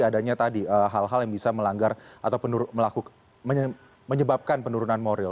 adanya tadi hal hal yang bisa melanggar atau menyebabkan penurunan moral